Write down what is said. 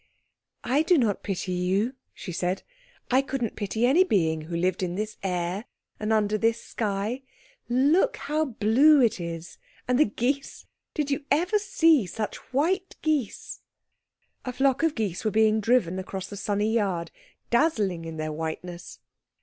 "I do not pity you," she said; "I couldn't pity any being who lived in this air, and under this sky. Look how blue it is and the geese did you ever see such white geese?" A flock of geese were being driven across the sunny yard, dazzling in their whiteness.